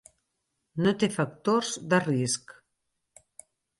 No té factors de risc.